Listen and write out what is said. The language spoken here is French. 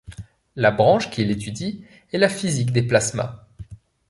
La branche qui l'étudie est la physique des plasmas.